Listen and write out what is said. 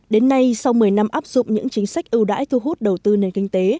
đến nay sau một mươi năm áp dụng những chính sách ưu đãi thu hút đầu tư nền kinh tế